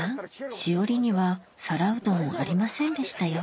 しおりには皿うどんありませんでしたよ